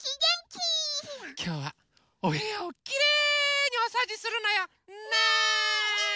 きょうはおへやをきれいにおそうじするのよ。ね！